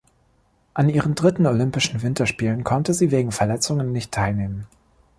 An ihren dritten Olympischen Winterspielen konnte sie wegen Verletzung nicht teilnehmen.